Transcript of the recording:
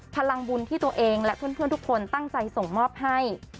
พลังบุญที่ตัวเองและเพื่อนทุกคนตั้งใจส่งมอบให้